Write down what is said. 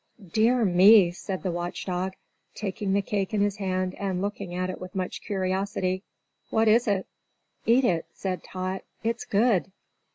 "Dear me!" said the Watch Dog, taking the cake in his hand and looking at it with much curiosity. "What is it?" "Eat it," said Tot; "it's good."